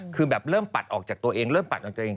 คือแบบเริ่มปัดออกจากตัวเองเริ่มปัดเอาตัวเอง